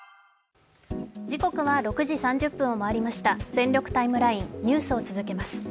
「全力ＴＩＭＥライン」ニュースを続けます。